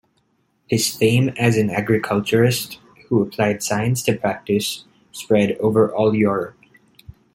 His fame as an agriculturist who applied science to practice, spread over all Europe.